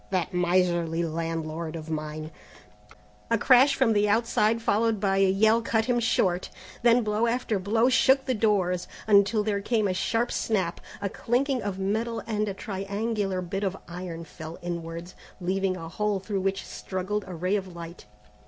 "That miserly landlord of mine " A crash from the outside, followed by a yell, cut him short; then blow after blow shook the doors, until there came a sharp snap, a clinking of metal and a triangular bit of iron fell inwards, leaving a hole through which struggled a ray of light.